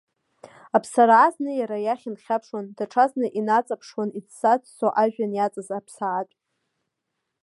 Аԥсараа зны иара иахь инхьаԥшуан, даҽазны инаҵаԥшуан иӡса-ӡсо ажәҩан иаҵаз аԥсаатә.